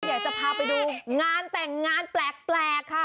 อยากจะพาไปดูงานแต่งงานแปลกค่ะ